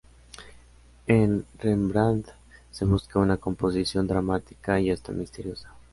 En Rembrandt se busca una composición dramática y hasta misteriosa.